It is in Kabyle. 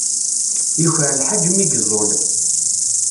Yuker lḥaǧ mi yeẓẓul.